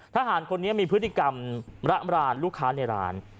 ทหารคนนี้มีพฤติกรรมระรานลูกค้าในร้าน